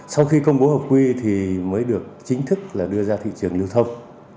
sau khi công bố hợp quy thì mới được chính thức là đưa ra thị trường lưu thông